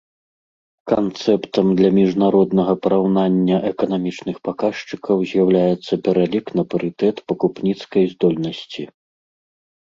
Канцэптам для міжнароднага параўнання эканамічных паказчыкаў з'яўляецца пералік на парытэт пакупніцкай здольнасці.